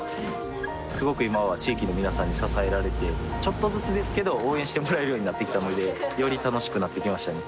すごく今は地域の皆さんに支えられてちょっとずつですけど応援してもらえるようになってきたのでより楽しくなってきましたね